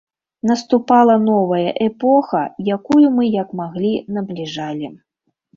Наступала новая эпоха, якую мы як маглі набліжалі.